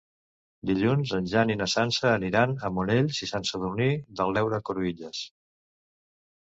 Dilluns en Jan i na Sança aniran a Monells i Sant Sadurní de l'Heura Cruïlles.